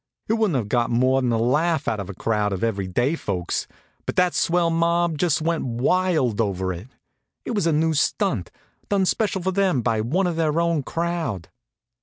It wouldn't have got more'n one laugh out of a crowd of every day folks, but that swell mob just went wild over it. It was a new stunt, done special for them by one of their own crowd.